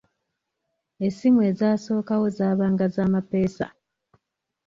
Essimu ezasookawo zaabanga za mapeesa.